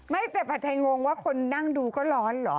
ไม่แต่ผัดไทยงงว่าคนนั่งดูก็ร้อนเหรอ